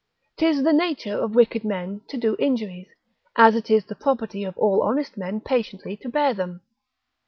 'Tis the nature of wicked men to do injuries, as it is the property of all honest men patiently to bear them.